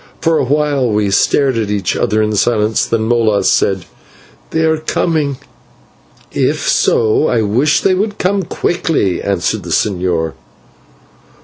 For a while we stared at each other in silence, then Molas said, "They are coming." "If so I wish they would come quickly," answered the señor.